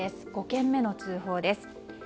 ５件目の通報です。